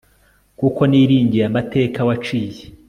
kuko niringiye amateka waciye